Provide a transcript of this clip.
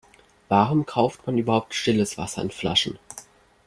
Warum kauft man überhaupt stilles Wasser in Flaschen?